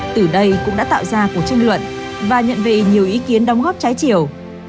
từ đây cũng đã tạo ra cuộc tranh luận và nhận về nhiều ý kiến đóng góp trái chiều